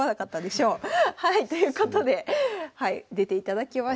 ということで出ていただきました。